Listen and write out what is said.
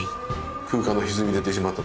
空間のひずみに出てしまうと。